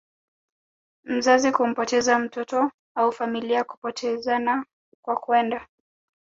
mzazi kumpoteza mtoto au familia kupotezana kwa kwenda